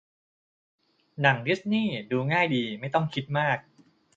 หนังดิสนีย์ ดูง่ายดี ไม่ต้องคิดมาก